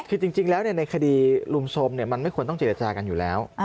คือจริงแล้วในคดีลุมโทรมมันไม่ควรต้องเจรจากันอยู่แล้ว